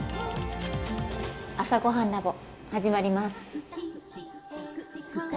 「朝ごはんＬａｂ．」始まります。